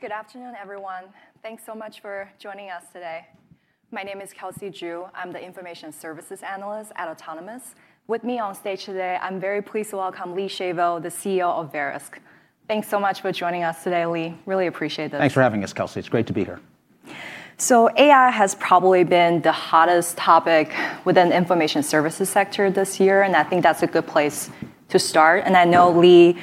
Good afternoon, everyone. Thanks so much for joining us today. My name is Kelsey Zhu. I'm the Information Services Analyst at Autonomous. With me on stage today, I'm very pleased to welcome Lee Shavel, the CEO of Verisk. Thanks so much for joining us today, Lee. Really appreciate this. Thanks for having us, Kelsey. It's great to be here. AI has probably been the hottest topic within the information services sector this year, and I think that's a good place to start. I know Lee,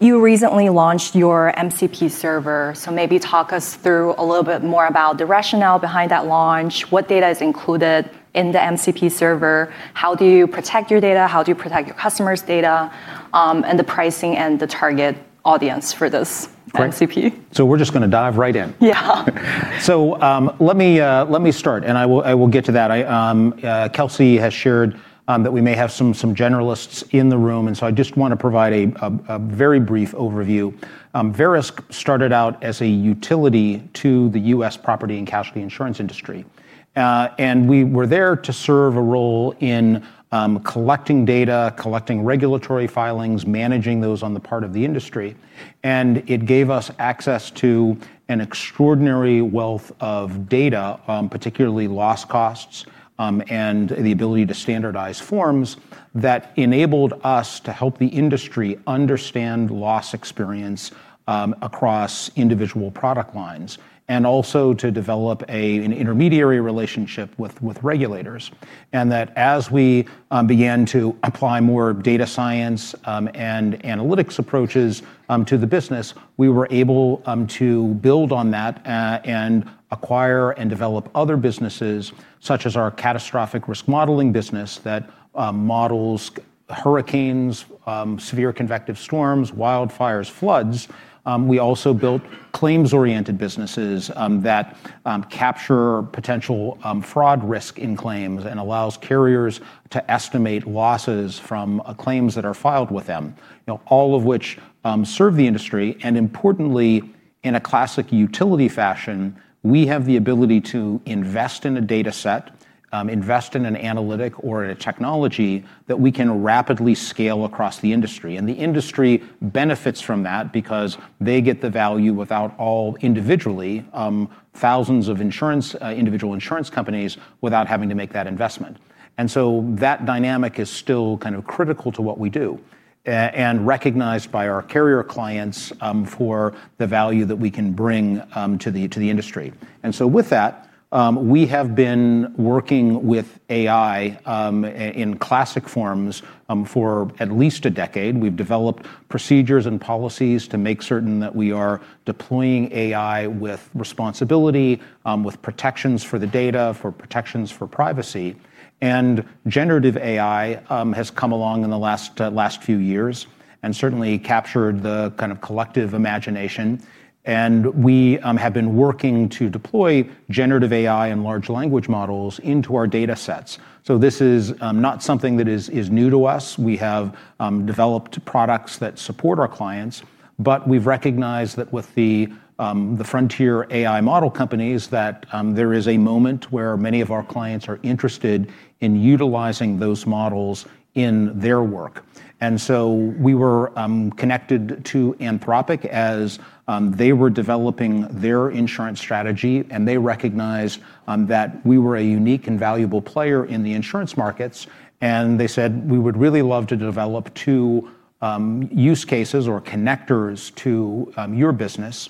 you recently launched your MCP server. Maybe talk us through a little bit more about the rationale behind that launch, what data is included in the MCP server, how do you protect your data, how do you protect your customers' data, and the pricing and the target audience for this MCP. We're just going to dive right in. Yeah. Let me start, and I will get to that. Kelsey has shared that we may have some generalists in the room, and so I just want to provide a very brief overview. Verisk started out as a utility to the U.S. property and casualty insurance industry. We were there to serve a role in collecting data, collecting regulatory filings, managing those on the part of the industry. It gave us access to an extraordinary wealth of data, particularly loss costs, and the ability to standardize forms that enabled us to help the industry understand loss experience across individual product lines. Also to develop an intermediary relationship with regulators. That as we began to apply more data science and analytics approaches to the business, we were able to build on that and acquire and develop other businesses, such as our catastrophic risk modeling business that models hurricanes, severe convective storms, wildfires, floods. We also built claims-oriented businesses that capture potential fraud risk in claims and allows carriers to estimate losses from claims that are filed with them. All of which serve the industry, importantly, in a classic utility fashion, we have the ability to invest in a dataset, invest in an analytic or a technology that we can rapidly scale across the industry. The industry benefits from that because they get the value without all individually, thousands of individual insurance companies, without having to make that investment. That dynamic is still critical to what we do. Recognized by our carrier clients, for the value that we can bring to the industry. With that, we have been working with AI, in classic forms, for at least a decade. We've developed procedures and policies to make certain that we are deploying AI with responsibility, with protections for the data, for protections for privacy. Generative AI has come along in the last few years and certainly captured the collective imagination. We have been working to deploy generative AI and large language models into our datasets. This is not something that is new to us. We have developed products that support our clients. We've recognized that with the frontier AI model companies, that there is a moment where many of our clients are interested in utilizing those models in their work. We were connected to Anthropic as they were developing their insurance strategy, and they recognized that we were a unique and valuable player in the insurance markets. They said, "We would really love to develop two use cases or connectors to your business."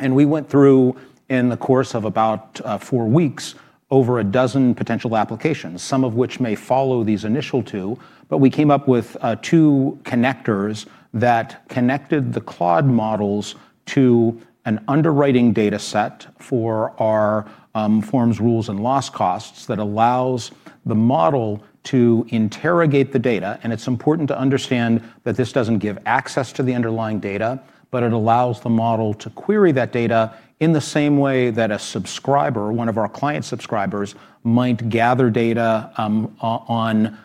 We went through, in the course of about four weeks, over a dozen potential applications, some of which may follow these initial two. We came up with two connectors that connected the Claude models to an underwriting dataset for our forms, rules, and loss costs that allows the model to interrogate the data. It's important to understand that this doesn't give access to the underlying data, but it allows the model to query that data in the same way that a subscriber, one of our client subscribers, might gather data on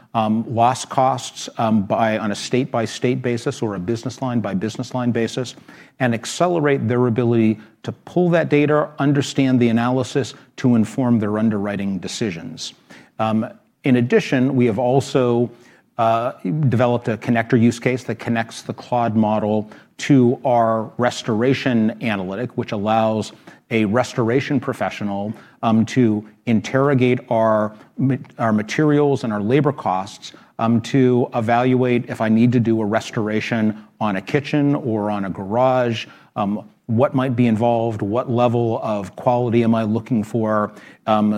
loss costs on a state-by-state basis or a business line by business line basis and accelerate their ability to pull that data, understand the analysis to inform their underwriting decisions. In addition, we have also developed a connector use case that connects the Claude model to our restoration analytic, which allows a restoration professional to interrogate our materials and our labor costs to evaluate if I need to do a restoration on a kitchen or on a garage, what might be involved, what level of quality am I looking for,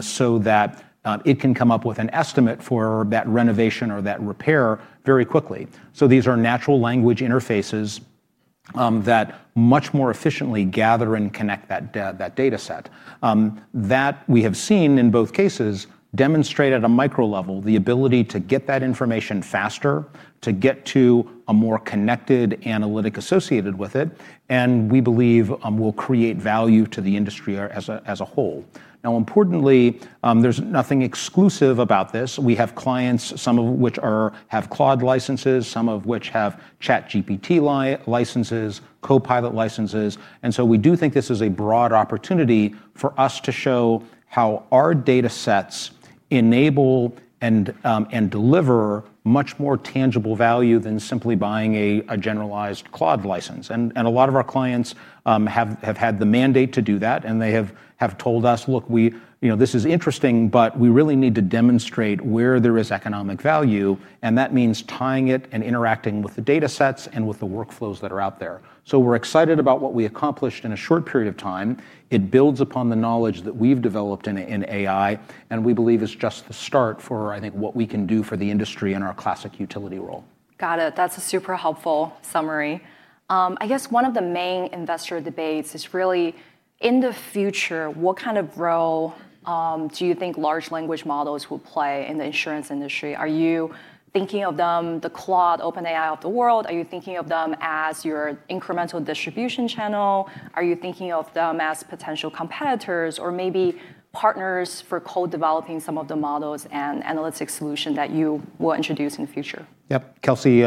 so that it can come up with an estimate for that renovation or that repair very quickly. These are natural language interfaces that much more efficiently gather and connect that dataset. That we have seen, in both cases, demonstrate at a micro level the ability to get that information faster, to get to a more connected analytic associated with it, and we believe will create value to the industry as a whole. Importantly, there's nothing exclusive about this. We have clients, some of which have Claude licenses, some of which have ChatGPT licenses, Copilot licenses. We do think this is a broad opportunity for us to show how our datasets enable and deliver much more tangible value than simply buying a generalized Claude license. A lot of our clients have had the mandate to do that, and they have told us, "Look, this is interesting, but we really need to demonstrate where there is economic value." That means tying it and interacting with the datasets and with the workflows that are out there. We're excited about what we accomplished in a short period of time. It builds upon the knowledge that we've developed in AI and we believe is just the start for, I think, what we can do for the industry in our classic utility role. Got it. That's a super helpful summary. I guess one of the main investor debates is really in the future, what kind of role do you think large language models will play in the insurance industry? Are you thinking of them, the Claude, OpenAI of the world? Are you thinking of them as your incremental distribution channel? Are you thinking of them as potential competitors or maybe partners for co-developing some of the models and analytic solution that you will introduce in the future? Kelsey,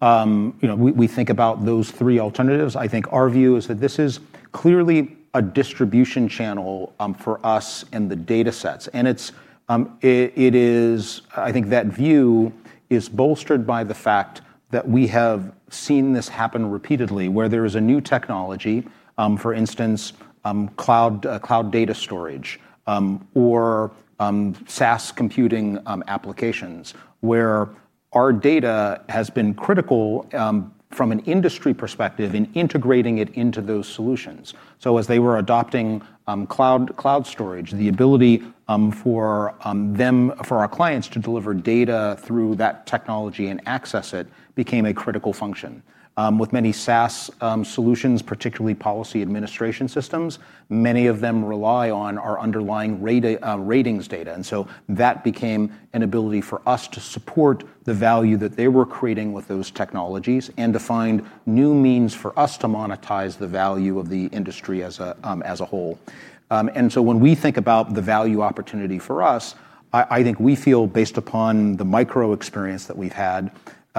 we think about those three alternatives. I think our view is that this is clearly a distribution channel for us and the data sets. I think that view is bolstered by the fact that we have seen this happen repeatedly where there is a new technology, for instance, cloud data storage or SaaS computing applications, where our data has been critical from an industry perspective in integrating it into those solutions. As they were adopting cloud storage, the ability for our clients to deliver data through that technology and access it became a critical function. With many SaaS solutions, particularly policy administration systems, many of them rely on our underlying ratings data, that became an ability for us to support the value that they were creating with those technologies and to find new means for us to monetize the value of the industry as a whole. When we think about the value opportunity for us, I think we feel based upon the micro experience that we've had,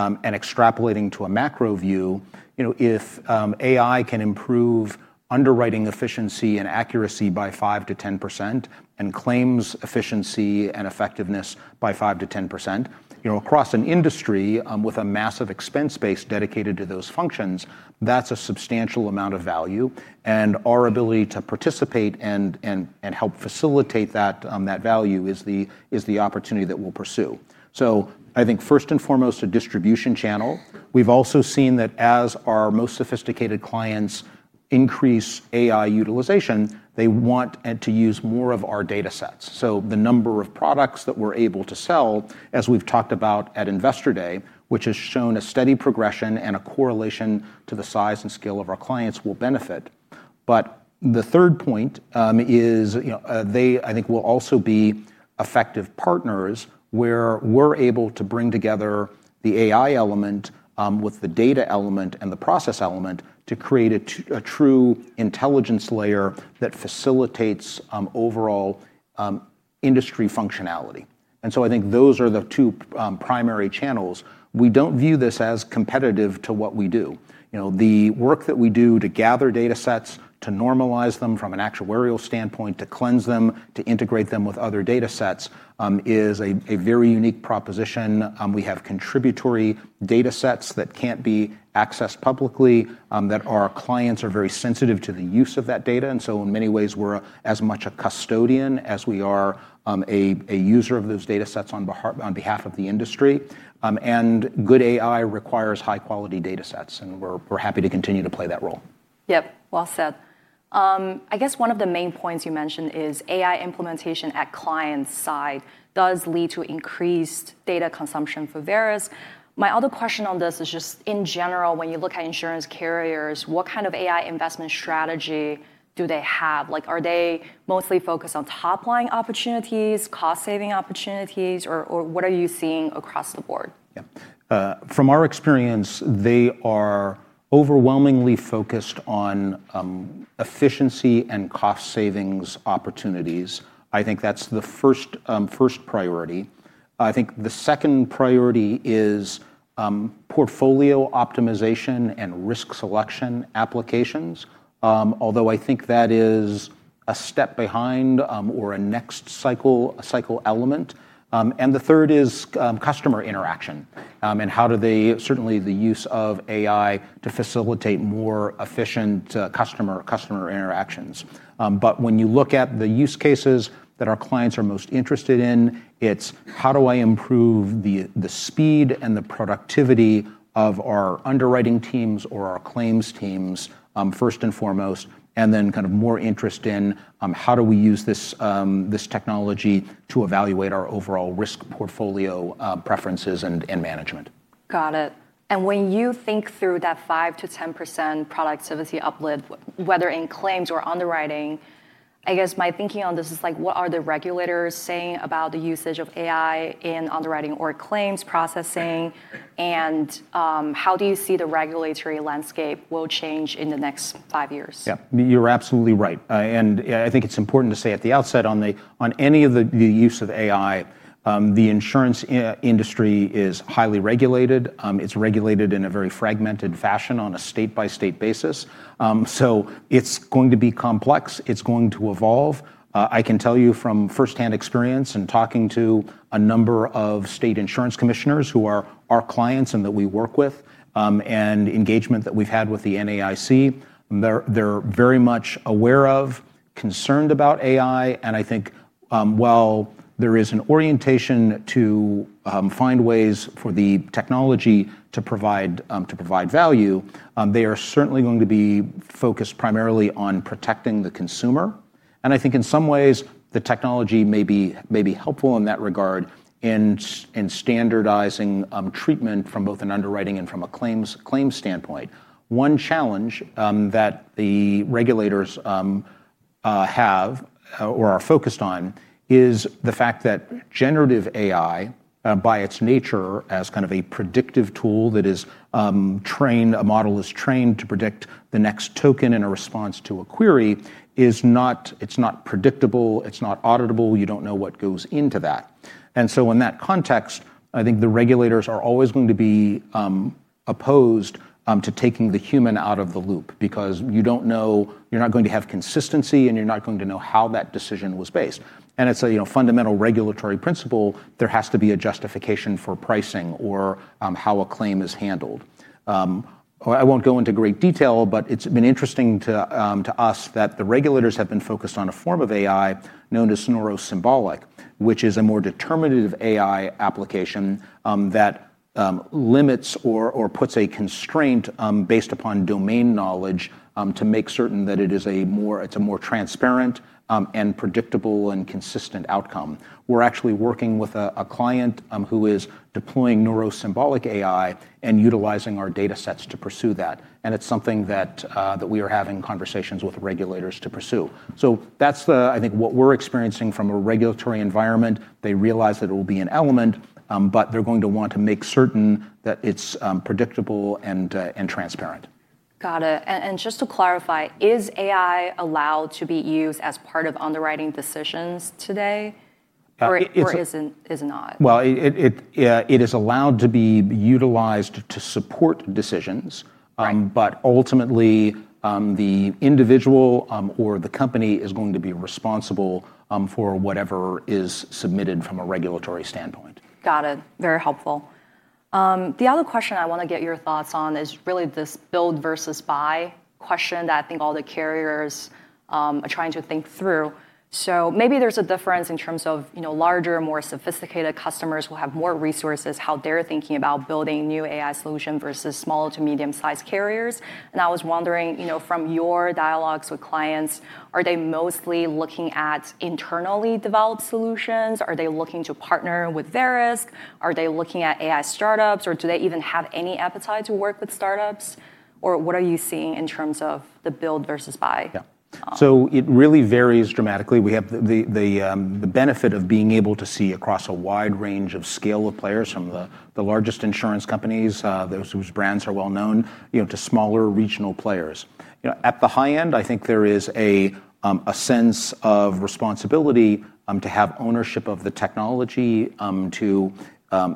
and extrapolating to a macro view, if AI can improve underwriting efficiency and accuracy by 5%-10% and claims efficiency and effectiveness by 5%-10%, across an industry with a massive expense base dedicated to those functions, that's a substantial amount of value. Our ability to participate and help facilitate that value is the opportunity that we'll pursue. I think first and foremost, a distribution channel. We've also seen that as our most sophisticated clients increase AI utilization, they want to use more of our data sets. The number of products that we're able to sell, as we've talked about at Investor Day, which has shown a steady progression and a correlation to the size and scale of our clients will benefit. The third point is they, I think, will also be effective partners where we're able to bring together the AI element with the data element and the process element to create a true intelligence layer that facilitates overall industry functionality. I think those are the two primary channels. We don't view this as competitive to what we do. The work that we do to gather data sets, to normalize them from an actuarial standpoint, to cleanse them, to integrate them with other data sets, is a very unique proposition. We have contributory data sets that can't be accessed publicly, that our clients are very sensitive to the use of that data. In many ways, we're as much a custodian as we are a user of those data sets on behalf of the industry. Good AI requires high-quality data sets, and we're happy to continue to play that role. Yep. Well said. I guess one of the main points you mentioned is AI implementation at client side does lead to increased data consumption for Verisk. My other question on this is just in general, when you look at insurance carriers, what kind of AI investment strategy do they have? Are they mostly focused on top-line opportunities, cost-saving opportunities, or what are you seeing across the board? Yeah. From our experience, they are overwhelmingly focused on efficiency and cost savings opportunities. I think that's the first priority. I think the second priority is portfolio optimization and risk selection applications, although I think that is a step behind or a next cycle element. The third is customer interaction, and how do they certainly the use of AI to facilitate more efficient customer interactions. When you look at the use cases that our clients are most interested in, it's how do I improve the speed and the productivity of our underwriting teams or our claims teams, first and foremost, and then kind of more interest in how do we use this technology to evaluate our overall risk portfolio preferences and management. Got it. When you think through that 5%-10% productivity uplift, whether in claims or underwriting, I guess my thinking on this is like, what are the regulators saying about the usage of AI in underwriting or claims processing? How do you see the regulatory landscape will change in the next five years? Yeah. You're absolutely right. I think it's important to say at the outset on any of the use of AI, the insurance industry is highly regulated. It's regulated in a very fragmented fashion on a state-by-state basis. It's going to be complex. It's going to evolve. I can tell you from firsthand experience in talking to a number of state insurance commissioners who are our clients and that we work with, and engagement that we've had with the NAIC, they're very much aware of, concerned about AI, and I think while there is an orientation to find ways for the technology to provide value, they are certainly going to be focused primarily on protecting the consumer. I think in some ways the technology may be helpful in that regard in standardizing treatment from both an underwriting and from a claims standpoint. One challenge that the regulators have or are focused on is the fact that generative AI, by its nature, as kind of a predictive tool that a model is trained to predict the next token in a response to a query, it's not predictable, it's not auditable. You don't know what goes into that. In that context, I think the regulators are always going to be opposed to taking the human out of the loop because you're not going to have consistency and you're not going to know how that decision was based. It's a fundamental regulatory principle, there has to be a justification for pricing or how a claim is handled. I won't go into great detail, but it's been interesting to us that the regulators have been focused on a form of AI known as neuro-symbolic. Which is a more determinative AI application that limits or puts a constraint based upon domain knowledge to make certain that it's a more transparent and predictable and consistent outcome. We're actually working with a client who is deploying neuro-symbolic AI and utilizing our data sets to pursue that. It's something that we are having conversations with regulators to pursue. That's, I think, what we're experiencing from a regulatory environment. They realize that it will be an element, but they're going to want to make certain that it's predictable and transparent. Got it. Just to clarify, is AI allowed to be used as part of underwriting decisions today or is not? Well, it is allowed to be utilized to support decisions. Right. Ultimately, the individual or the company is going to be responsible for whatever is submitted from a regulatory standpoint. Got it. Very helpful. The other question I want to get your thoughts on is really this build versus buy question that I think all the carriers are trying to think through. Maybe there's a difference in terms of larger, more sophisticated customers who have more resources, how they're thinking about building new AI solution versus small to medium-sized carriers. I was wondering from your dialogues with clients, are they mostly looking at internally developed solutions? Are they looking to partner with Verisk? Are they looking at AI startups, or do they even have any appetite to work with startups? What are you seeing in terms of the build versus buy? It really varies dramatically. We have the benefit of being able to see across a wide range of scale of players, from the largest insurance companies, those whose brands are well-known, to smaller regional players. At the high end, I think there is a sense of responsibility to have ownership of the technology to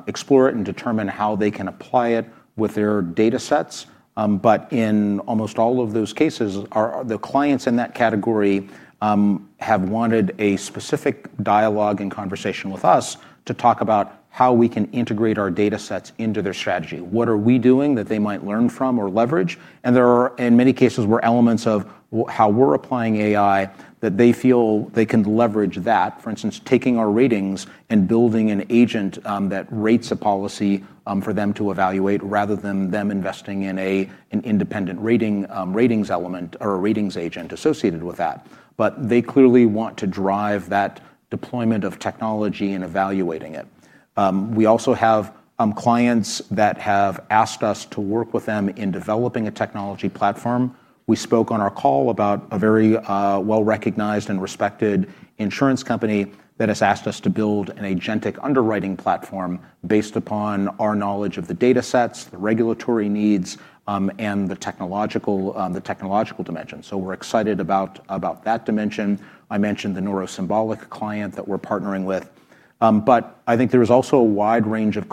explore it and determine how they can apply it with their data sets. In almost all of those cases, the clients in that category have wanted a specific dialogue and conversation with us to talk about how we can integrate our data sets into their strategy. What are we doing that they might learn from or leverage? There are, in many cases, were elements of how we're applying AI that they feel they can leverage that. For instance, taking our ratings and building an agent that rates a policy for them to evaluate rather than them investing in an independent ratings element or a ratings agent associated with that. They clearly want to drive that deployment of technology and evaluating it. We also have clients that have asked us to work with them in developing a technology platform. We spoke on our call about a very well-recognized and respected insurance company that has asked us to build an agentic underwriting platform based upon our knowledge of the data sets, the regulatory needs, and the technological dimension. We're excited about that dimension. I mentioned the neuro-symbolic client that we're partnering with. I think there is also a wide range of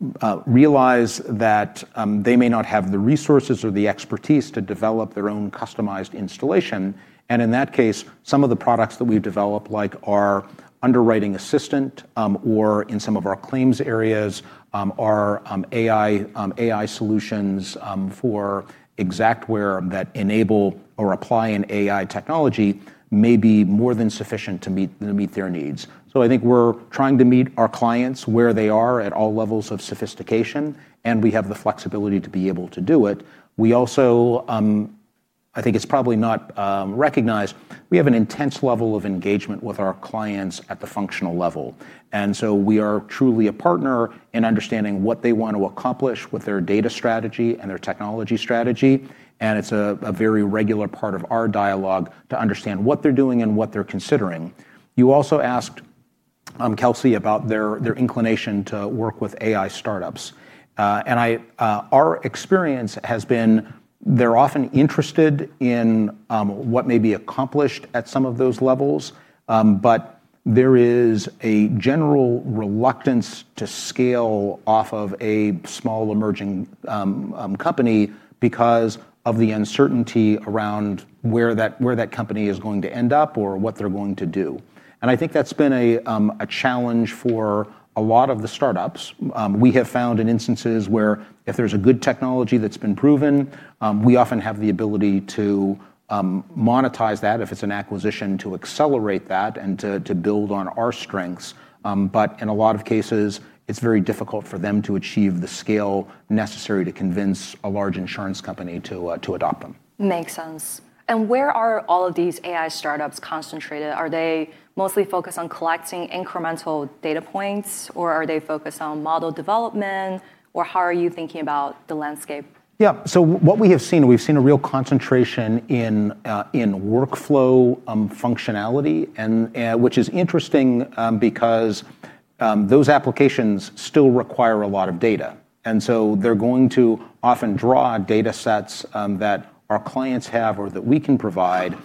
clients that realize that they may not have the resources or the expertise to develop their own customized installation. In that case, some of the products that we've developed, like our underwriting assistant, or in some of our claims areas, our AI solutions for Xactware that enable or apply an AI technology may be more than sufficient to meet their needs. I think we're trying to meet our clients where they are at all levels of sophistication, and we have the flexibility to be able to do it. I think it's probably not recognized, we have an intense level of engagement with our clients at the functional level, we are truly a partner in understanding what they want to accomplish with their data strategy and their technology strategy. It's a very regular part of our dialogue to understand what they're doing and what they're considering. You also asked, Kelsey, about their inclination to work with AI startups. Our experience has been they're often interested in what may be accomplished at some of those levels. There is a general reluctance to scale off of a small emerging company because of the uncertainty around where that company is going to end up or what they're going to do. I think that's been a challenge for a lot of the startups. We have found in instances where if there's a good technology that's been proven, we often have the ability to monetize that, if it's an acquisition, to accelerate that and to build on our strengths. In a lot of cases, it's very difficult for them to achieve the scale necessary to convince a large insurance company to adopt them. Makes sense. Where are all of these AI startups concentrated? Are they mostly focused on collecting incremental data points, or are they focused on model development, or how are you thinking about the landscape? Yeah. What we have seen, we've seen a real concentration in workflow functionality, which is interesting because those applications still require a lot of data. They're going to often draw data sets that our clients have or that we can provide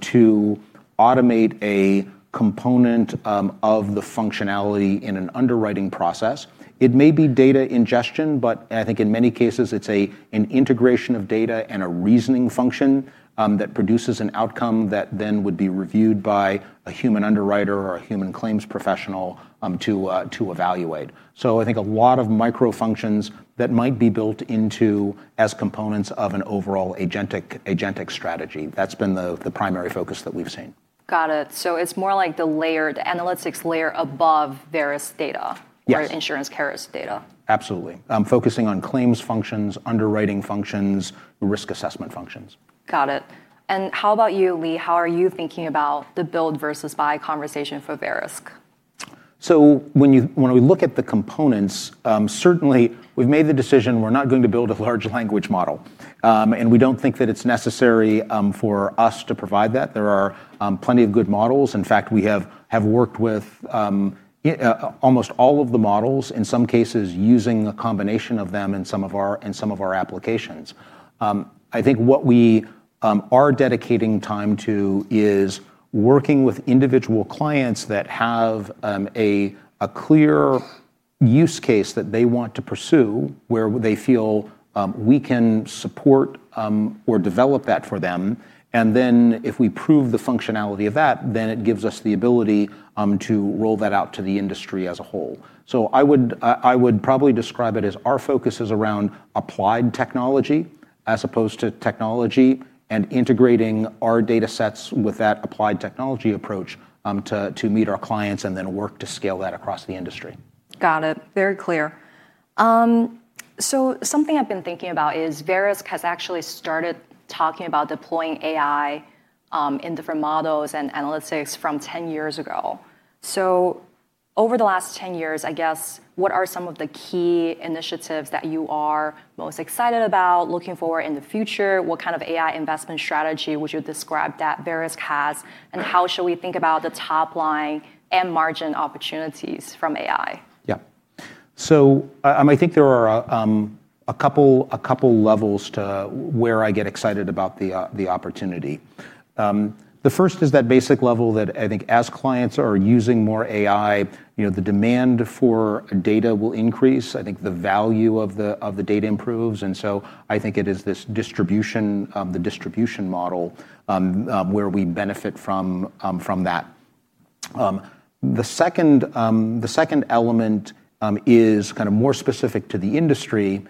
to automate a component of the functionality in an underwriting process. It may be data ingestion, but I think in many cases it's an integration of data and a reasoning function that produces an outcome that then would be reviewed by a human underwriter or a human claims professional to evaluate. I think a lot of micro functions that might be built into as components of an overall agentic strategy. That's been the primary focus that we've seen. Got it. It's more like the analytics layer above Verisk data-. Yes insurance carrier's data. Absolutely. Focusing on claims functions, underwriting functions, risk assessment functions. Got it. How about you, Lee? How are you thinking about the build versus buy conversation for Verisk? When we look at the components, certainly we've made the decision we're not going to build a large language model. We don't think that it's necessary for us to provide that. There are plenty of good models. In fact, we have worked with almost all of the models, in some cases, using a combination of them in some of our applications. I think what we are dedicating time to is working with individual clients that have a clear use case that they want to pursue where they feel we can support or develop that for them. If we prove the functionality of that, then it gives us the ability to roll that out to the industry as a whole. I would probably describe it as our focus is around applied technology as opposed to technology and integrating our data sets with that applied technology approach to meet our clients and then work to scale that across the industry. Got it. Very clear. Something I've been thinking about is Verisk has actually started talking about deploying AI in different models and analytics from 10 years ago. Over the last 10 years, I guess, what are some of the key initiatives that you are most excited about looking forward in the future? What kind of AI investment strategy would you describe that Verisk has, and how should we think about the top line and margin opportunities from AI? Yeah. I think there are a couple levels to where I get excited about the opportunity. The first is that basic level that I think as clients are using more AI, the demand for data will increase. I think the value of the data improves. I think it is this distribution model where we benefit from that. The second element is more specific to the industry,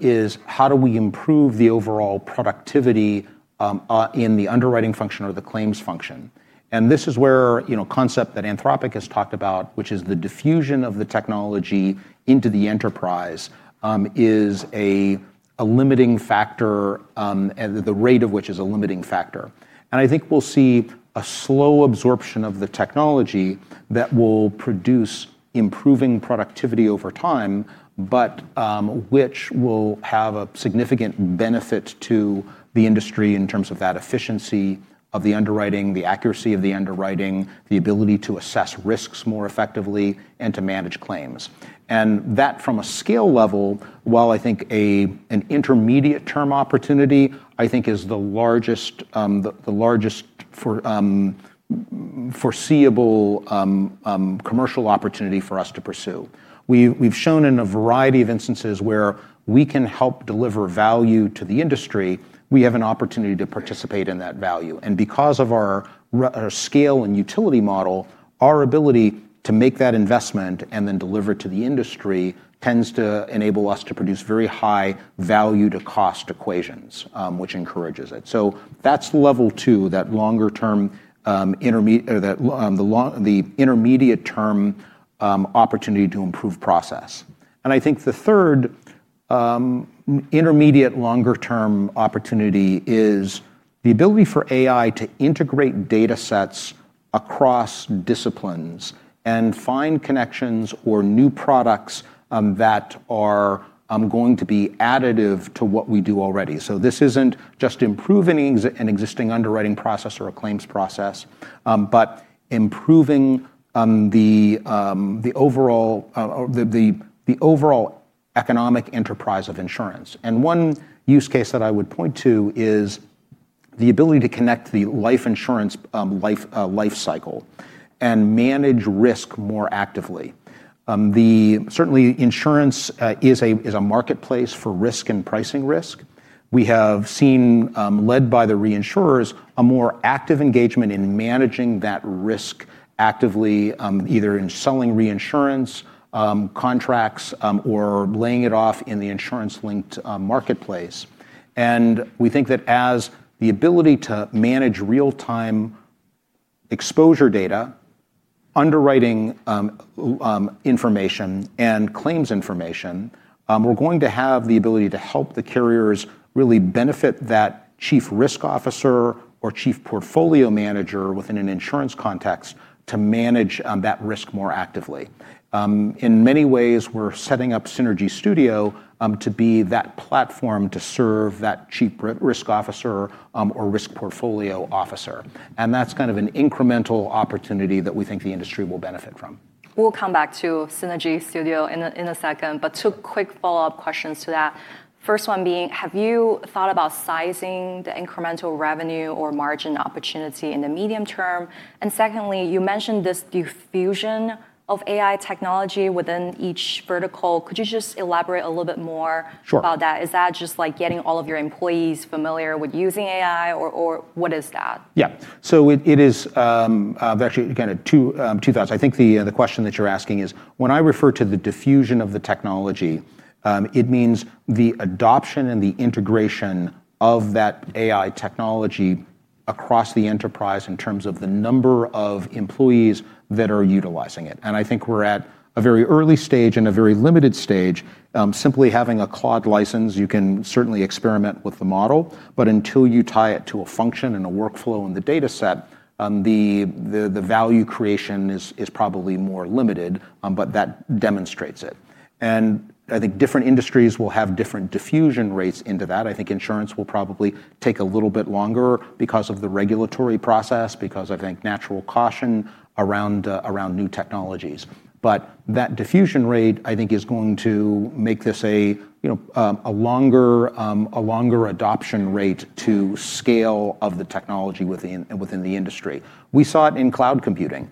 is how do we improve the overall productivity in the underwriting function or the claims function. This is where a concept that Anthropic has talked about, which is the diffusion of the technology into the enterprise, is a limiting factor, the rate of which is a limiting factor. I think we'll see a slow absorption of the technology that will produce improving productivity over time, but which will have a significant benefit to the industry in terms of that efficiency of the underwriting, the accuracy of the underwriting, the ability to assess risks more effectively, and to manage claims. That from a scale level, while I think an intermediate-term opportunity, I think is the largest foreseeable commercial opportunity for us to pursue. We've shown in a variety of instances where we can help deliver value to the industry. We have an opportunity to participate in that value. Because of our scale and utility model, our ability to make that investment and then deliver to the industry tends to enable us to produce very high value-to-cost equations, which encourages it. That's level two, that intermediate-term opportunity to improve process. I think the third intermediate longer-term opportunity is the ability for AI to integrate data sets across disciplines and find connections or new products that are going to be additive to what we do already. This isn't just improving an existing underwriting process or a claims process, but improving the overall economic enterprise of insurance. One use case that I would point to is the ability to connect the life insurance life cycle and manage risk more actively. Certainly, insurance is a marketplace for risk and pricing risk. We have seen, led by the reinsurers, a more active engagement in managing that risk actively, either in selling reinsurance contracts or laying it off in the insurance-linked marketplace. We think that as the ability to manage real-time exposure data, underwriting information, and claims information we're going to have the ability to help the carriers really benefit that chief risk officer or chief portfolio manager within an insurance context to manage that risk more actively. In many ways, we're setting up Verisk Synergy Studio to be that platform to serve that chief risk officer or risk portfolio officer, and that's kind of an incremental opportunity that we think the industry will benefit from. We'll come back to Verisk Synergy Studio in a second. Two quick follow-up questions to that. First one being, have you thought about sizing the incremental revenue or margin opportunity in the medium term? Secondly, you mentioned this diffusion of AI technology within each vertical. Could you just elaborate a little bit more? Sure about that? Is that just getting all of your employees familiar with using AI or what is that? Yeah. It is actually two thoughts. I think the question that you're asking is, when I refer to the diffusion of the technology, it means the adoption and the integration of that AI technology across the enterprise in terms of the number of employees that are utilizing it. I think we're at a very early stage and a very limited stage. Simply having a Claude license, you can certainly experiment with the model, but until you tie it to a function and a workflow in the dataset, the value creation is probably more limited, but that demonstrates it. I think different industries will have different diffusion rates into that. I think insurance will probably take a little bit longer because of the regulatory process, because of, I think, natural caution around new technologies. That diffusion rate, I think is going to make this a longer adoption rate to scale of the technology within the industry. We saw it in cloud computing.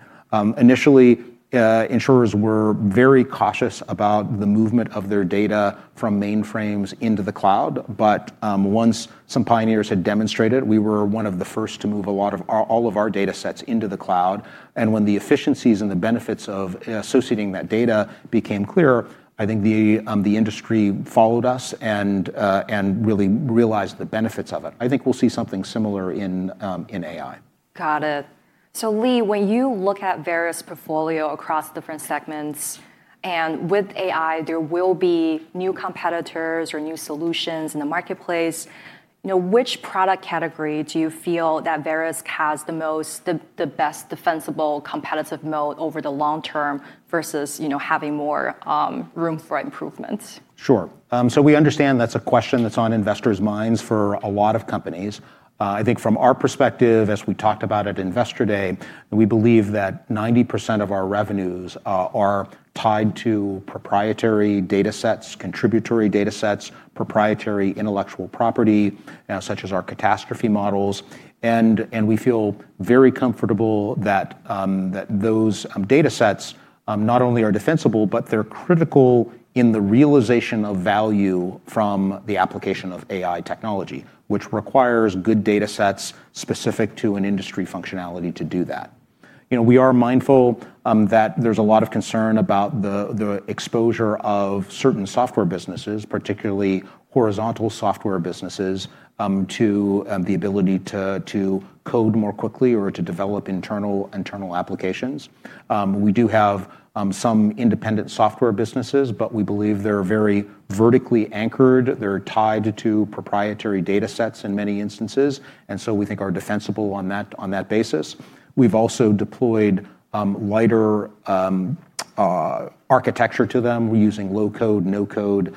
Initially, insurers were very cautious about the movement of their data from mainframes into the cloud. Once some pioneers had demonstrated, we were one of the first to move all of our datasets into the cloud. When the efficiencies and the benefits of associating that data became clearer, I think the industry followed us and really realized the benefits of it. I think we'll see something similar in AI. Got it. Lee, when you look at Verisk portfolio across different segments, and with AI, there will be new competitors or new solutions in the marketplace. Which product category do you feel that Verisk has the best defensible competitive moat over the long term versus having more room for improvements? Sure. We understand that's a question that's on investors' minds for a lot of companies. I think from our perspective, as we talked about at Investor Day, we believe that 90% of our revenues are tied to proprietary datasets, contributory datasets, proprietary intellectual property, such as our catastrophe models, and we feel very comfortable that those datasets not only are defensible, but they're critical in the realization of value from the application of AI technology, which requires good datasets specific to an industry functionality to do that. We are mindful that there's a lot of concern about the exposure of certain software businesses, particularly horizontal software businesses, to the ability to code more quickly or to develop internal applications. We do have some independent software businesses, we believe they're very vertically anchored. They're tied to proprietary datasets in many instances, and so we think are defensible on that basis. We've also deployed lighter architecture to them using low-code, no-code,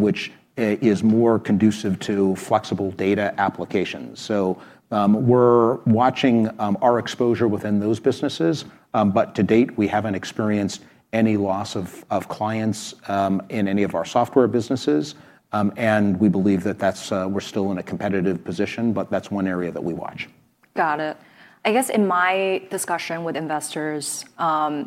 which is more conducive to flexible data applications. We're watching our exposure within those businesses. To date, we haven't experienced any loss of clients in any of our software businesses. We believe that we're still in a competitive position, but that's one area that we watch. Got it. I guess in my discussion with investors,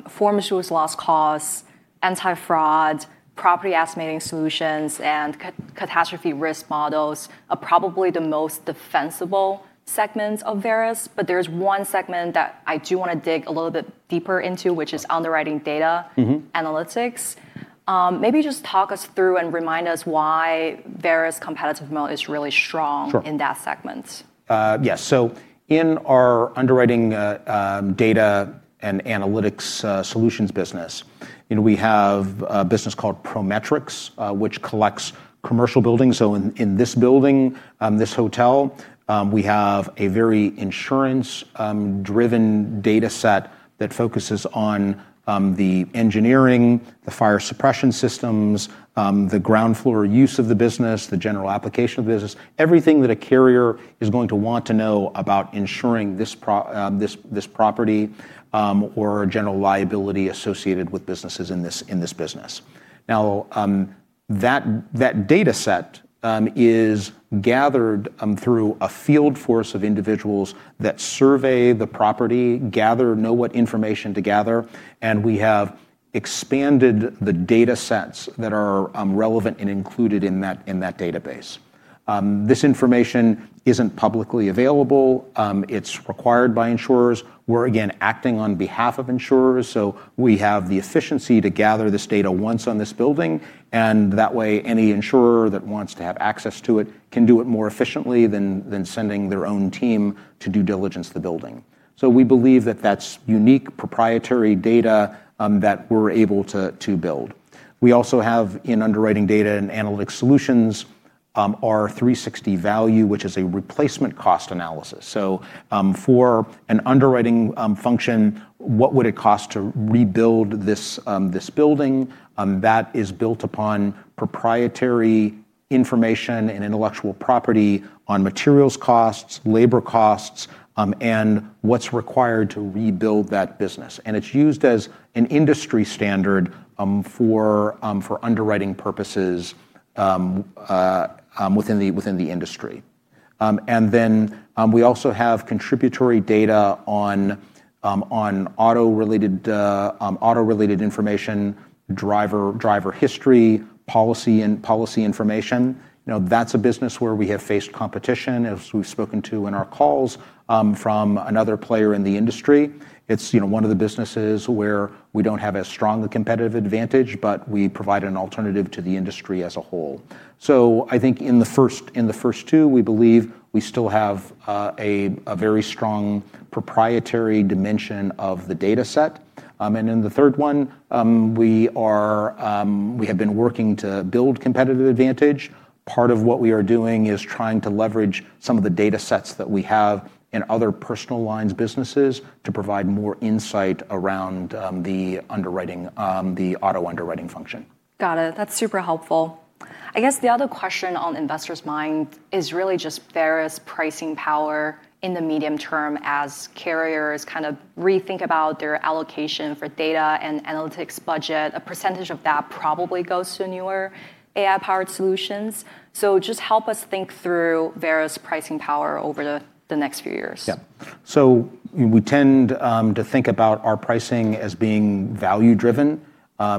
forms, rules, loss costs, anti-fraud, property estimating solutions, and catastrophe risk models are probably the most defensible segments of Verisk. There's one segment that I do want to dig a little bit deeper into, which is underwriting data analytics. Maybe just talk us through and remind us why Verisk competitive moat is really strong. Sure in that segment. Yeah. In our underwriting data and analytics solutions business, we have a business called ProMetrix, which collects commercial buildings. In this building, this hotel, we have a very insurance-driven dataset that focuses on the engineering, the fire suppression systems, the ground floor use of the business, the general application of the business. Everything that a carrier is going to want to know about insuring this property or general liability associated with businesses in this business. That dataset is gathered through a field force of individuals that survey the property, gather, know what information to gather, and we have expanded the datasets that are relevant and included in that database. This information isn't publicly available. It's required by insurers. We're, again, acting on behalf of insurers, so we have the efficiency to gather this data once on this building, and that way any insurer that wants to have access to it can do it more efficiently than sending their own team to due diligence the building. We believe that that's unique proprietary data that we're able to build. We also have, in underwriting data and analytic solutions, our 360Value, which is a replacement cost analysis. For an underwriting function, what would it cost to rebuild this building? That is built upon proprietary information and intellectual property on materials costs, labor costs, and what's required to rebuild that business. It's used as an industry standard for underwriting purposes within the industry. We also have contributory data on auto-related information, driver history, policy information. That's a business where we have faced competition, as we've spoken to in our calls, from another player in the industry. It's one of the businesses where we don't have as strong a competitive advantage, but we provide an alternative to the industry as a whole. I think in the first two, we believe we still have a very strong proprietary dimension of the data set. In the third one, we have been working to build competitive advantage. Part of what we are doing is trying to leverage some of the data sets that we have in other personal lines businesses to provide more insight around the auto underwriting function. Got it. That's super helpful. I guess the other question on investors' mind is really just Verisk pricing power in the medium term as carriers kind of rethink about their allocation for data and analytics budget. A percentage of that probably goes to newer AI-powered solutions. Just help us think through Verisk pricing power over the next few years. We tend to think about our pricing as being value driven. We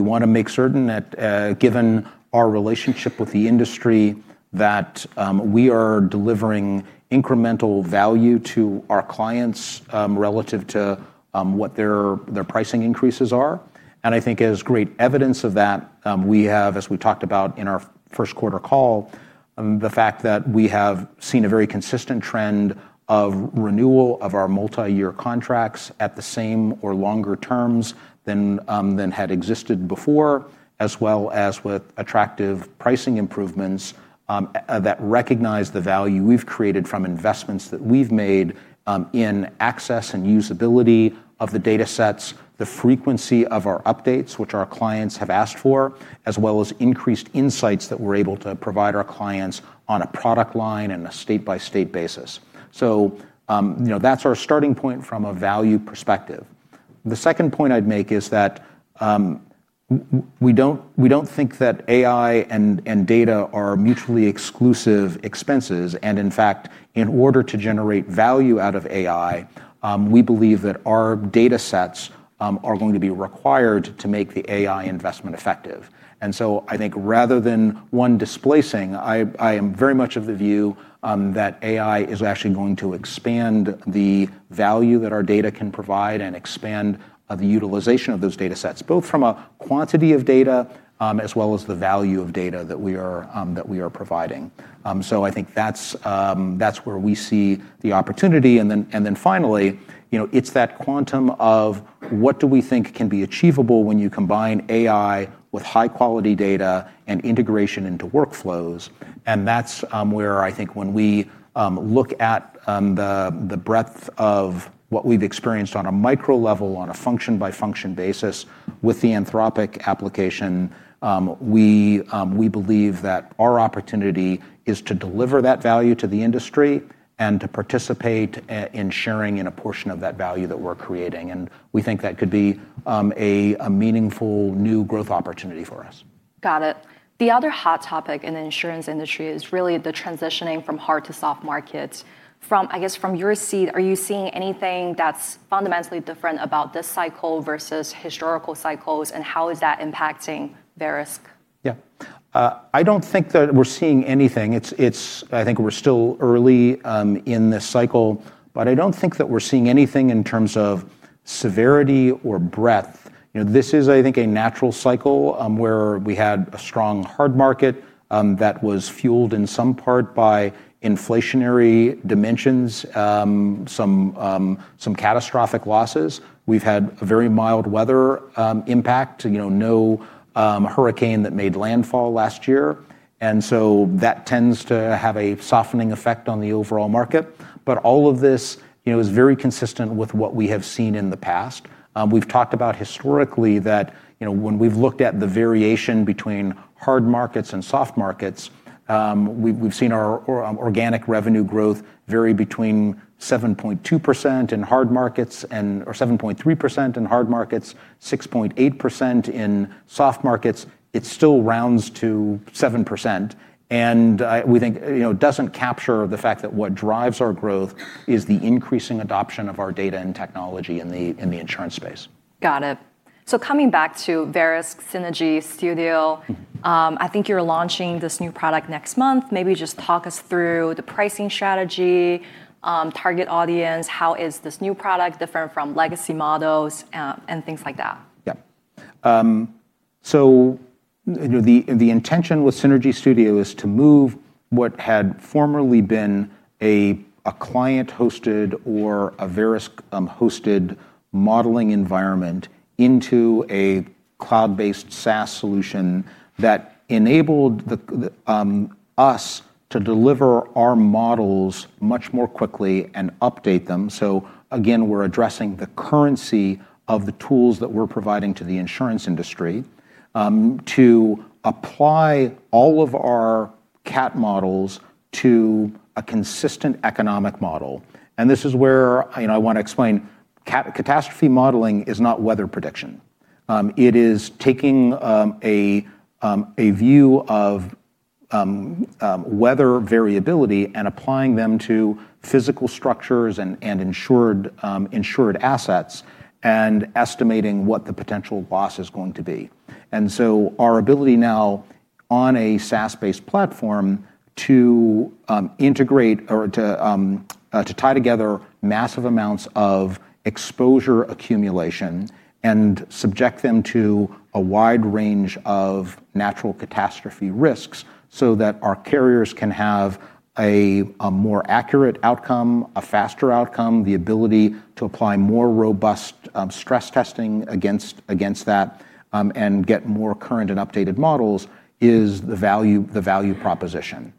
want to make certain that given our relationship with the industry, that we are delivering incremental value to our clients relative to what their pricing increases are. I think as great evidence of that, we have, as we talked about in our first quarter call, the fact that we have seen a very consistent trend of renewal of our multiyear contracts at the same or longer terms than had existed before, as well as with attractive pricing improvements that recognize the value we've created from investments that we've made in access and usability of the data sets, the frequency of our updates, which our clients have asked for, as well as increased insights that we're able to provide our clients on a product line and a state-by-state basis. That's our starting point from a value perspective. The second point I'd make is that we don't think that AI and data are mutually exclusive expenses. In fact, in order to generate value out of AI, we believe that our data sets are going to be required to make the AI investment effective. I think rather than one displacing, I am very much of the view that AI is actually going to expand the value that our data can provide and expand the utilization of those data sets, both from a quantity of data as well as the value of data that we are providing. I think that's where we see the opportunity. Finally, it's that quantum of what do we think can be achievable when you combine AI with high-quality data and integration into workflows. That's where I think when we look at the breadth of what we've experienced on a micro level, on a function-by-function basis with the Anthropic application, we believe that our opportunity is to deliver that value to the industry and to participate in sharing in a portion of that value that we're creating. We think that could be a meaningful new growth opportunity for us. Got it. The other hot topic in the insurance industry is really the transitioning from hard to soft markets. I guess from your seat, are you seeing anything that's fundamentally different about this cycle versus historical cycles, and how is that impacting Verisk? Yeah. I don't think that we're seeing anything. I think we're still early in this cycle, but I don't think that we're seeing anything in terms of severity or breadth. This is, I think, a natural cycle where we had a strong hard market that was fueled in some part by inflationary dimensions, some catastrophic losses. We've had a very mild weather impact, no hurricane that made landfall last year. That tends to have a softening effect on the overall market. All of this is very consistent with what we have seen in the past. We've talked about historically that when we've looked at the variation between hard markets and soft markets, we've seen our organic revenue growth vary between 7.2% in hard markets or 7.3% in hard markets, 6.8% in soft markets. It still rounds to 7%. We think doesn't capture the fact that what drives our growth is the increasing adoption of our data and technology in the insurance space. Got it. Coming back to Verisk Synergy Studio, I think you're launching this new product next month. Maybe just talk us through the pricing strategy, target audience, how is this new product different from legacy models, and things like that. Yeah. The intention with Synergy Studio is to move what had formerly been a client-hosted or a Verisk-hosted modeling environment into a cloud-based SaaS solution that enabled us to deliver our models much more quickly and update them. Again, we're addressing the currency of the tools that we're providing to the insurance industry to apply all of our cat models to a consistent economic model. This is where I want to explain, catastrophe modeling is not weather prediction. It is taking a view of weather variability and applying them to physical structures and insured assets, and estimating what the potential loss is going to be. Our ability now on a SaaS-based platform to integrate or to tie together massive amounts of exposure accumulation and subject them to a wide range of natural catastrophe risks, so that our carriers can have a more accurate outcome, a faster outcome, the ability to apply more robust stress testing against that, and get more current and updated models is the value proposition.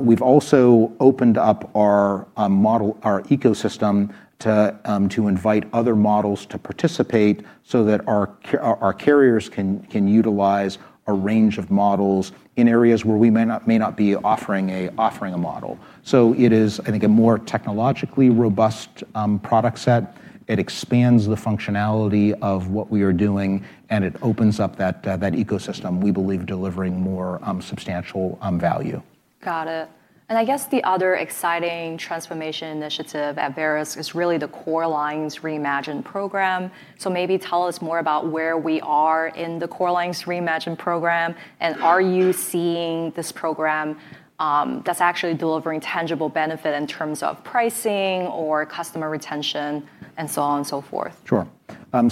We've also opened up our ecosystem to invite other models to participate so that our carriers can utilize a range of models in areas where we may not be offering a model. It is, I think, a more technologically robust product set. It expands the functionality of what we are doing, and it opens up that ecosystem, we believe, delivering more substantial value. Got it. I guess the other exciting transformation initiative at Verisk is really the Core Lines Reimagined program. Maybe tell us more about where we are in the Core Lines Reimagined program, and are you seeing this program that's actually delivering tangible benefit in terms of pricing or customer retention and so on and so forth? Sure. I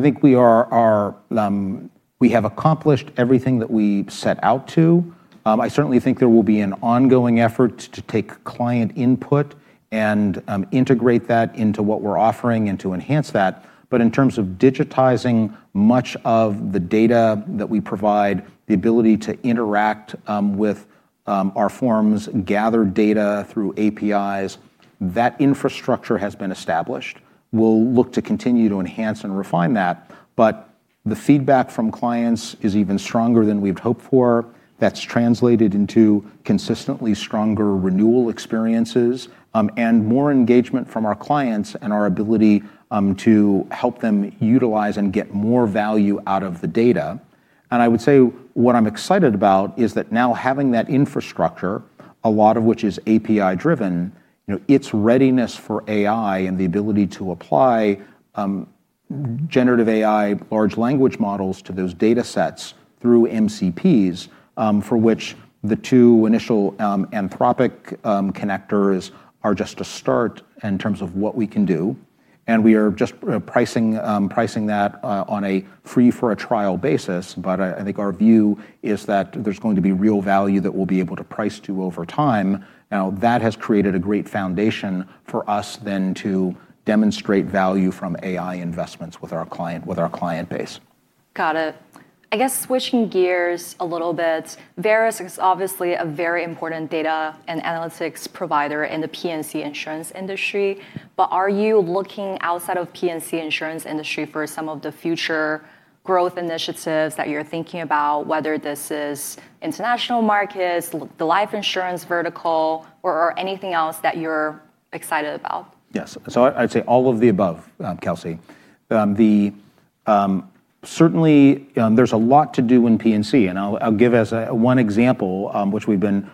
think we have accomplished everything that we set out to. I certainly think there will be an ongoing effort to take client input and integrate that into what we're offering and to enhance that. In terms of digitizing much of the data that we provide, the ability to interact with our forms, gather data through APIs, that infrastructure has been established. We'll look to continue to enhance and refine that. The feedback from clients is even stronger than we'd hoped for. That's translated into consistently stronger renewal experiences, and more engagement from our clients and our ability to help them utilize and get more value out of the data. I would say what I'm excited about is that now having that infrastructure, a lot of which is API-driven, its readiness for AI and the ability to apply generative AI, large language models to those data sets through MCPs, for which the two initial Anthropic connectors are just a start in terms of what we can do. We are just pricing that on a free for a trial basis. I think our view is that there's going to be real value that we'll be able to price to over time. Now, that has created a great foundation for us then to demonstrate value from AI investments with our client base. Got it. I guess switching gears a little bit, Verisk is obviously a very important data and analytics provider in the P&C insurance industry. Are you looking outside of P&C insurance industry for some of the future growth initiatives that you're thinking about, whether this is international markets, the life insurance vertical, or anything else that you're excited about? Yes. I'd say all of the above, Kelsey. Certainly, there's a lot to do in P&C, and I'll give as one example, which we've been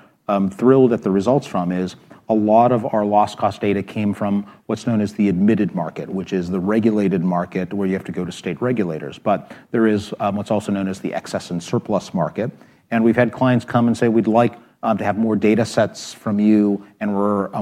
thrilled at the results from, is a lot of our loss cost data came from what's known as the admitted market, which is the regulated market where you have to go to state regulators. There is what's also known as the excess and surplus market, and we've had clients come and say, "We'd like to have more data sets from you, and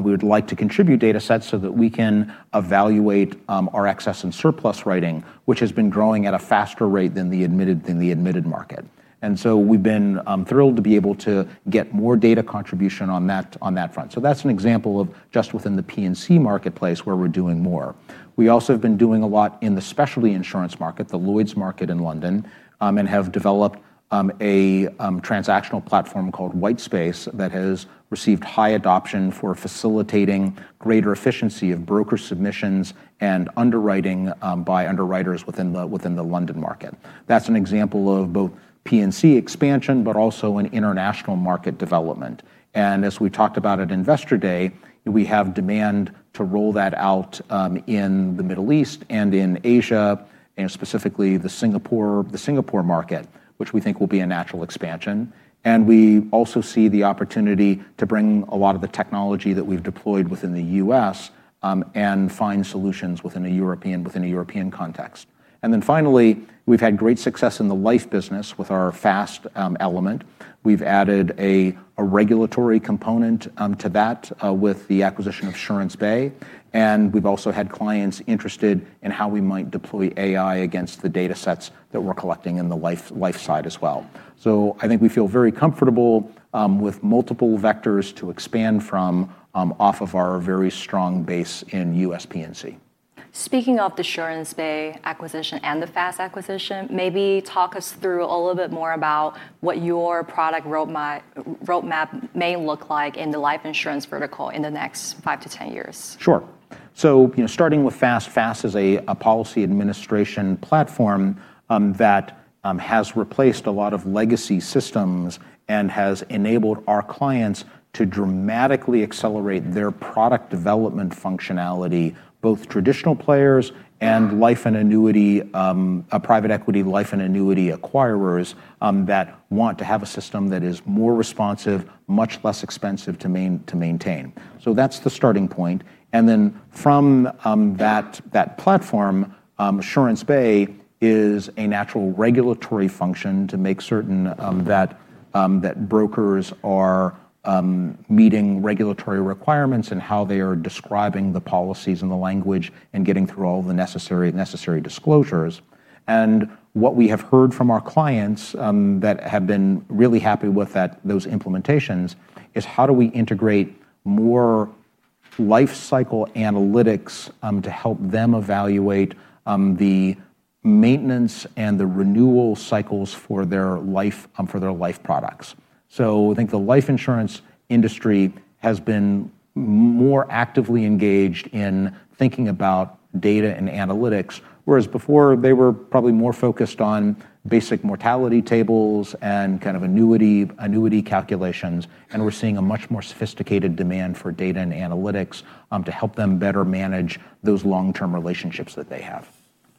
we would like to contribute data sets so that we can evaluate our excess and surplus writing," which has been growing at a faster rate than the admitted market. We've been thrilled to be able to get more data contribution on that front. That's an example of just within the P&C marketplace where we're doing more. We also have been doing a lot in the specialty insurance market, the Lloyd's market in London, and have developed a transactional platform called Whitespace that has received high adoption for facilitating greater efficiency of broker submissions and underwriting by underwriters within the London market. That's an example of both P&C expansion, but also an international market development. As we talked about at Investor Day, we have demand to roll that out in the Middle East and in Asia, specifically the Singapore market, which we think will be a natural expansion. We also see the opportunity to bring a lot of the technology that we've deployed within the U.S., and find solutions within a European context. Finally, we've had great success in the life business with our FAST element. We've added a regulatory component to that with the acquisition of SuranceBay, and we've also had clients interested in how we might deploy AI against the data sets that we're collecting in the life side as well. I think we feel very comfortable with multiple vectors to expand from off of our very strong base in U.S. P&C. Speaking of the SuranceBay acquisition and the FAST acquisition, maybe talk us through a little bit more about what your product roadmap may look like in the life insurance vertical in the next five-10 years? Sure. Starting with FAST, FAST is a policy administration platform that has replaced a lot of legacy systems, and has enabled our clients to dramatically accelerate their product development functionality, both traditional players and private equity life and annuity acquirers that want to have a system that is more responsive, much less expensive to maintain. From that platform, SuranceBay is a natural regulatory function to make certain that brokers are meeting regulatory requirements in how they are describing the policies and the language, and getting through all the necessary disclosures. What we have heard from our clients that have been really happy with those implementations is how do we integrate more life cycle analytics to help them evaluate the maintenance and the renewal cycles for their life products. I think the life insurance industry has been more actively engaged in thinking about data and analytics, whereas before they were probably more focused on basic mortality tables and kind of annuity calculations. We're seeing a much more sophisticated demand for data and analytics to help them better manage those long-term relationships that they have.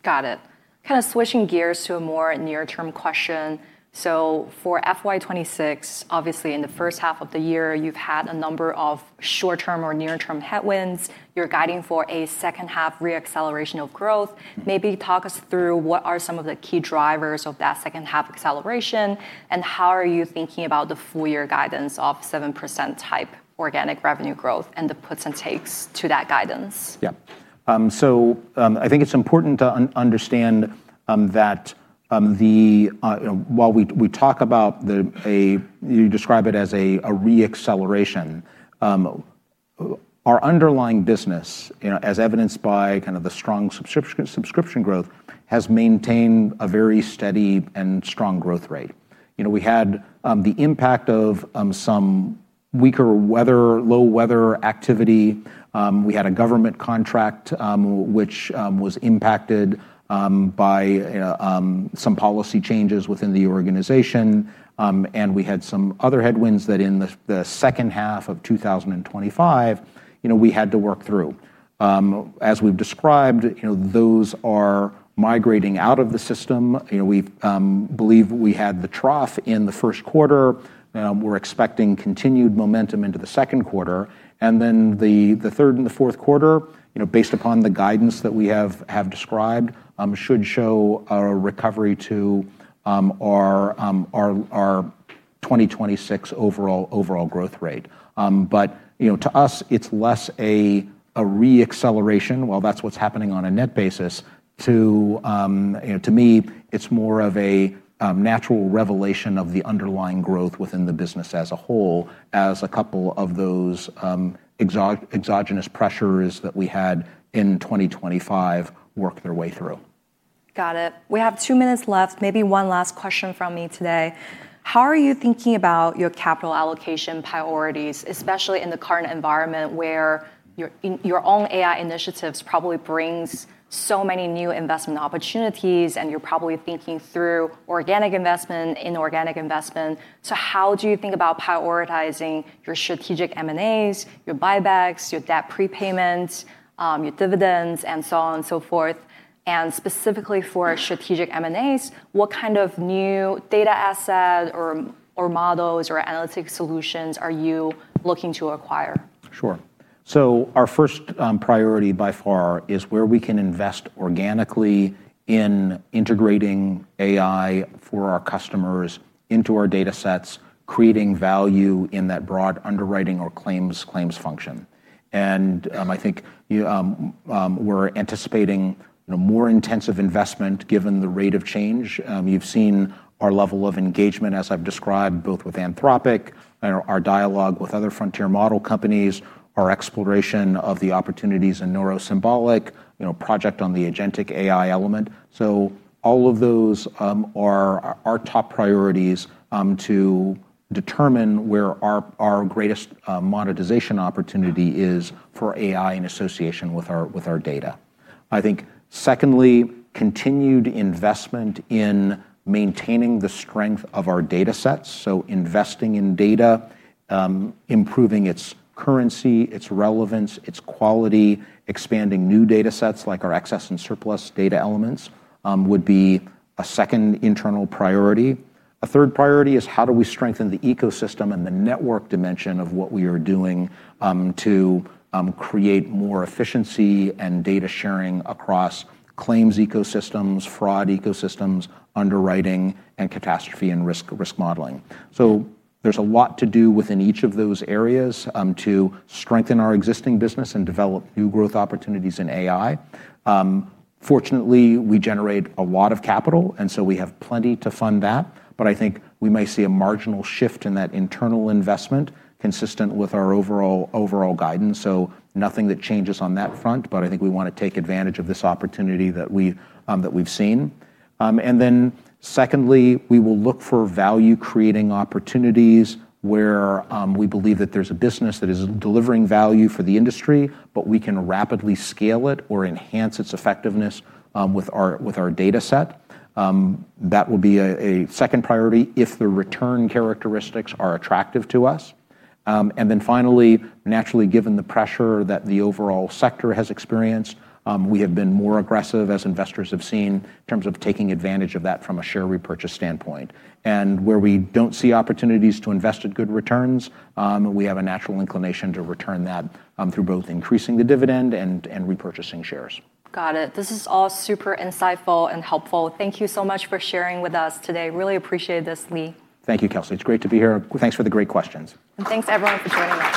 Got it. Kind of switching gears to a more near-term question. For FY 2026, obviously in the first half of the year you've had a number of short-term or near-term headwinds. You're guiding for a second half re-acceleration of growth. Maybe talk us through what are some of the key drivers of that second half acceleration, and how are you thinking about the full year guidance of 7% type organic revenue growth and the puts and takes to that guidance? Yeah. I think it's important to understand that while we talk about the You describe it as a re-acceleration. Our underlying business, as evidenced by kind of the strong subscription growth, has maintained a very steady and strong growth rate. We had the impact of some weaker weather, low weather activity. We had a government contract which was impacted by some policy changes within the organization. We had some other headwinds that in the second half of 2025 we had to work through. As we've described, those are migrating out of the system. We believe we had the trough in the first quarter. We're expecting continued momentum into the second quarter. The third and the fourth quarter, based upon the guidance that we have described, should show a recovery to our 2026 overall growth rate. To us it's less a re-acceleration, while that's what's happening on a net basis. To me it's more of a natural revelation of the underlying growth within the business as a whole as a couple of those exogenous pressures that we had in 2025 work their way through. Got it. We have two minutes left. Maybe one last question from me today. How are you thinking about your capital allocation priorities, especially in the current environment where your own AI initiatives probably brings so many new investment opportunities, you're probably thinking through organic investment, inorganic investment. How do you think about prioritizing your strategic M&As, your buybacks, your debt prepayments, your dividends, and so on and so forth? Specifically for strategic M&As, what kind of new data asset or models or analytics solutions are you looking to acquire? Sure. Our first priority by far is where we can invest organically in integrating AI for our customers into our data sets, creating value in that broad underwriting or claims function. I think we're anticipating more intensive investment given the rate of change. You've seen our level of engagement as I've described both with Anthropic and our dialogue with other frontier model companies, our exploration of the opportunities in neuro-symbolic, project on the agentic AI element. All of those are our top priorities to determine where our greatest monetization opportunity is for AI in association with our data. I think secondly, continued investment in maintaining the strength of our data sets. Investing in data, improving its currency, its relevance, its quality, expanding new data sets like our excess and surplus data elements would be a second internal priority. A third priority is how do we strengthen the ecosystem and the network dimension of what we are doing to create more efficiency and data sharing across claims ecosystems, fraud ecosystems, underwriting, and catastrophe and risk modeling. There's a lot to do within each of those areas to strengthen our existing business and develop new growth opportunities in AI. Fortunately, we generate a lot of capital and so we have plenty to fund that. I think we may see a marginal shift in that internal investment consistent with our overall guidance. Nothing that changes on that front, but I think we want to take advantage of this opportunity that we've seen. Secondly, we will look for value-creating opportunities where we believe that there's a business that is delivering value for the industry, but we can rapidly scale it or enhance its effectiveness with our data set. That will be a second priority if the return characteristics are attractive to us. Finally, naturally given the pressure that the overall sector has experienced, we have been more aggressive as investors have seen in terms of taking advantage of that from a share repurchase standpoint. Where we don't see opportunities to invest at good returns, we have a natural inclination to return that through both increasing the dividend and repurchasing shares. Got it. This is all super insightful and helpful. Thank you so much for sharing with us today. Really appreciate this, Lee. Thank you, Kelsey. It's great to be here. Thanks for the great questions. Thanks everyone for joining us.